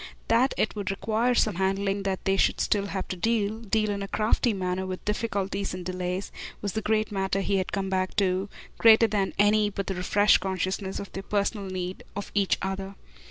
That it would require some handling, that they should still have to deal, deal in a crafty manner, with difficulties and delays, was the great matter he had come back to, greater than any but the refreshed consciousness of their personal need of each other.